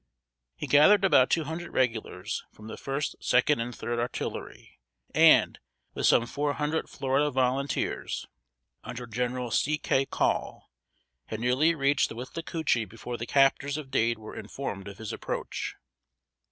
He gathered about two hundred Regulars, from the 1st, 2d and 3d Artillery, and, with some four hundred Florida volunteers, under General C. K. Call, had nearly reached the Withlacoochee before the captors of Dade were informed of his approach.